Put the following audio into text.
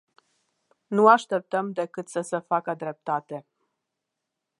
Nu așteptăm decât să se facă dreptate.